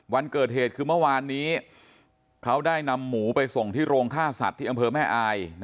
วันเกิดเหตุคือเมื่อวานนี้เขาได้นำหมูไปส่งที่โรงฆ่าสัตว์ที่อำเภอแม่อาย